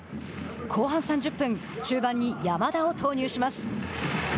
後半３０分中盤に山田を投入します。